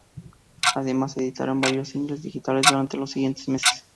Además, editaron varios singles digitales durante los siguientes meses.